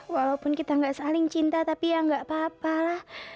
walaupun kita nggak saling cinta tapi ya gak apa apa lah